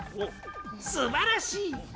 すばらしい！